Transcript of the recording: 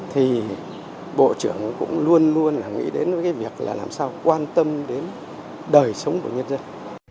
thì bộ trưởng cũng luôn luôn là nghĩ đến cái việc là làm sao quan tâm đến đời sống của nhân dân